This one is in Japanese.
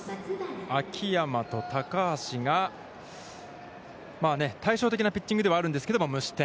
秋山と高橋が対照的なピッチングではあるんですけれども無失点。